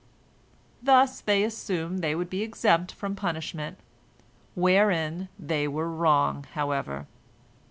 Thus, they assumed, they would be exempt from punishment, wherein they were wrong, however.